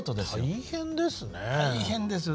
大変ですよ。